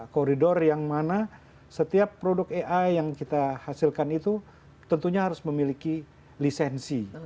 koridor yang mana setiap produk ai yang kita hasilkan itu tentunya harus memiliki lisensi